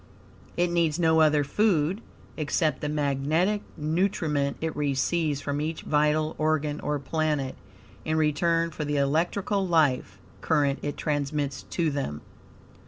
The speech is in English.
It needs no other food, except the magnetic nutriment it receives from each vital organ, or planet, in return for the electrical life current it transmits to them.